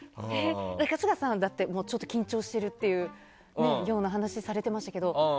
春日さんだってちょっと緊張してるような話されてましたけど。